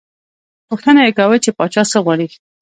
پوښتنه یې کاوه، چې پاچا څه غواړي.